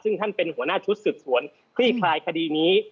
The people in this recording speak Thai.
ซึ่งท่านเป็นหัวหน้าชุดสืบสวนคลี่คลายคดีนี้